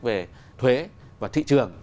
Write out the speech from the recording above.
về thuế và thị trường